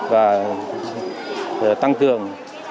và tăng cường